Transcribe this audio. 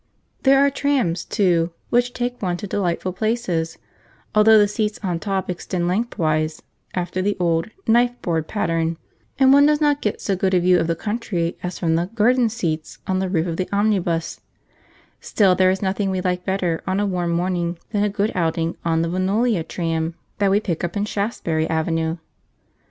There are trams, too, which take one to delightful places, though the seats on top extend lengthwise, after the old 'knifeboard pattern,' and one does not get so good a view of the country as from the 'garden seats' on the roof of the omnibus; still there is nothing we like better on a warm morning than a good outing on the Vinolia tram that we pick up in Shaftesbury Avenue.